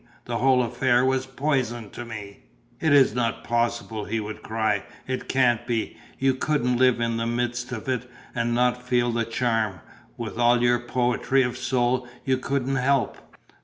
The whole affair was poison to me." "It's not possible," he would cry; "it can't be; you couldn't live in the midst of it and not feel the charm; with all your poetry of soul, you couldn't help!